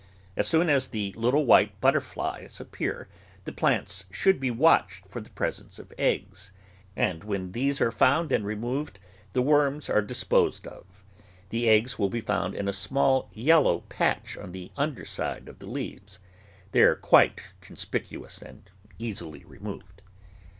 As soon as the little white butterflies appear, the plants should be watched for the presence of eggs, and when these are found and removed, the worms are disposed of; the eggs will be found in a small yellow patch on the underside of the leaves; they are quite con spicuous, and easily removed.